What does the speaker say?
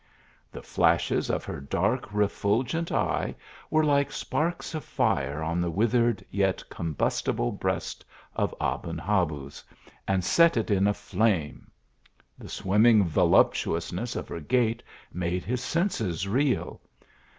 The flashes of her dark refulgent eye were like sparks of tire on the withered, yet combustible breast of Aben Habuz, and set it in a flame. The swimming voluptuousness of her gait made his senses reel.